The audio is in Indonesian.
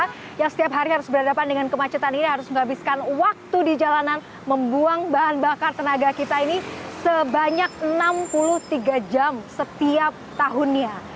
karena yang setiap hari harus berhadapan dengan kemacetan ini harus menghabiskan waktu di jalanan membuang bahan bakar tenaga kita ini sebanyak enam puluh tiga jam setiap tahunnya